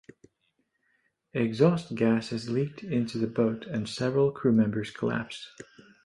Exhaust gases leaked into the boat and several crew members collapsed.